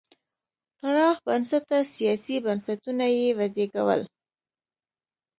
پراخ بنسټه سیاسي بنسټونه یې وزېږول.